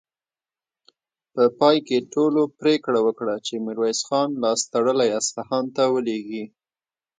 په پای کې ټولو پرېکړه وکړه چې ميرويس خان لاس تړلی اصفهان ته ولېږي.